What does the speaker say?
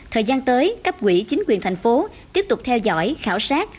thời gian tới cấp quỹ chính quyền thành phố tiếp tục theo dõi khảo sát